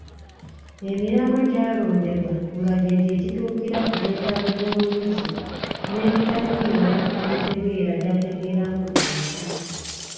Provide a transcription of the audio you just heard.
Emiramwa gyalondebwa nga gy’egyo egituukira ku bwetaavu bw’omuyizi n’ebitamuli wala mu ntegeera gy’ategeeramu ensi.